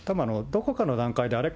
どこかの段階で、あれ？